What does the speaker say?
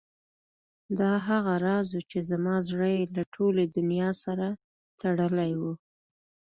دا هغه راز و چې زما زړه یې له ټولې دنیا سره تړلی و.